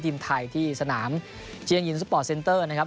ทีมไทยที่สนามเชียงหญิงสปอร์ตเซนเตอร์นะครับ